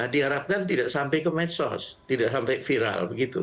diharapkan tidak sampai ke medsos tidak sampai viral begitu